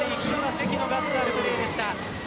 関のガッツあるプレーでした。